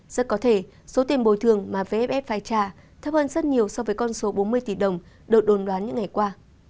rất có thể số tiền bồi thường mà vff phải trả thấp hơn rất nhiều so với con số bốn mươi tỷ đồng được đồn đoán những ngày qua